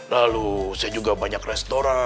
lalu saya juga banyak restoran